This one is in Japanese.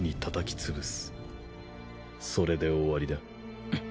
それで終わりだ。